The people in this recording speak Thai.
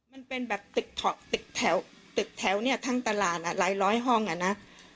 มันเป็นแบบติดเถาติดแถวติดแถวเนี่ยทั้งตลาดอ่ะหลายร้อยห้องอ่ะนะ